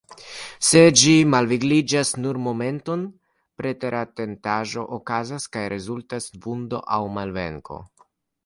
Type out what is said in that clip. Se ĝi malvigliĝas nur momenteton, preteratentaĵo okazas, kaj rezultas vundo aŭ malvenko.